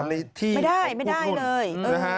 ที่ไม่ได้ไม่ได้เลย